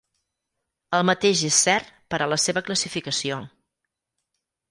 El mateix és cert per a la seva classificació.